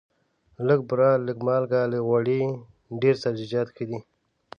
لږه بوره، لږه مالګه، لږ غوړي، ډېر سبزیجات ښه دي.